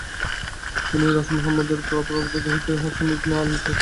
তিনি রাসুল মুহাম্মাদ এর প্র-প্র-প্র-দৌহিত্র এবং হাসান ইবনে আলীর প্র-পৌত্র।